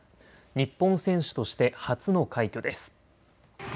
日本選手として初の快挙です。